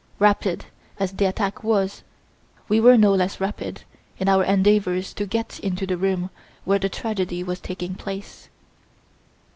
Rapid as the attack was, we were no less rapid in our endeavors to get into the room where the tragedy was taking place."